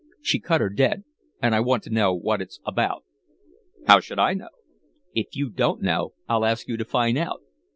She cut her dead, and I want to know what it's about." "How should I know?" "If you don't know, I'll ask you to find out."